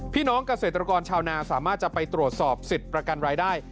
พี่น้องเกษตรกรชาวนาสามารถจะไปตรวจสอบสิทธิ์ประกันรายได้